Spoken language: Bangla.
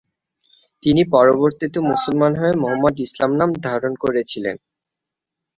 যিনি পরবর্তীতে মুসলমান হয়ে মোহাম্মদ ইসলাম নাম ধারণ করেছিলেন।